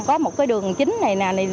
có một cái đường chính này nè